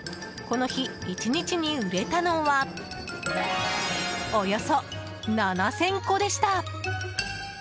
この日、１日に売れたのはおよそ７０００個でした。